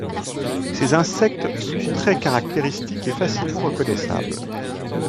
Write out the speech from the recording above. Ces insectes sont très caractéristiques et facilement reconnaissables.